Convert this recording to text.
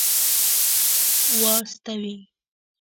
واستوي.